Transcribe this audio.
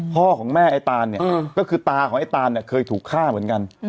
พ่อของแม่ไอ้ตานเนี่ยก็คือตาของไอ้ตานเนี่ยเคยถูกฆ่าเหมือนกัน